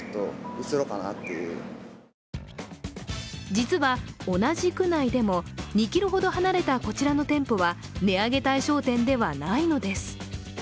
実は同じ区内でも、２ｋｍほど離れたこちらの店舗は値上げ対象店ではないのです。